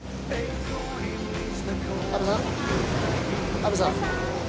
阿部さん？